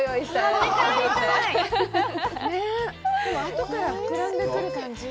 後から膨らんでくる感じ。